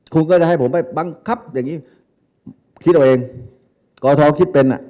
คุณก็จะให้ผมไปบังคับอย่างงี้คิดเอาเองกอทคิดเป็นอ่ะ